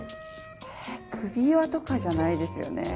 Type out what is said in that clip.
首輪とかじゃないですよね。